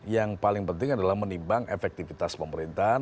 yang paling penting adalah menimbang efektivitas pemerintahan